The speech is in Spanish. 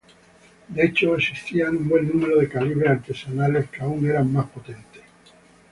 De hecho, existían un buen número de calibres artesanales que eran aún más potentes.